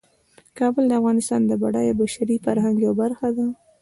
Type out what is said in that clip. کابل د افغانستان د بډایه بشري فرهنګ یوه برخه ده.